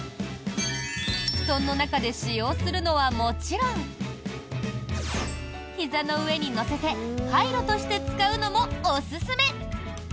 布団の中で使用するのはもちろんひざの上に乗せてカイロとして使うのもおすすめ。